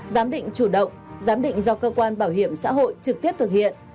giám định chủ động giám định do cơ quan bảo hiểm xã hội trực tiếp thực hiện